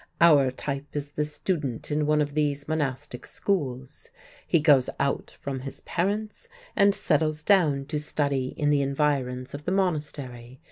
Our type is the student in one of these monastic schools. He goes out from his parents and settles down to study in the environs of the monastery.